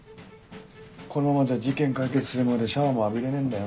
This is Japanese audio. このままじゃ事件解決するまでシャワーも浴びれねえんだよ。